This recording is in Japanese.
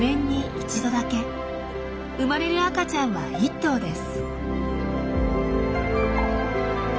生まれる赤ちゃんは１頭です。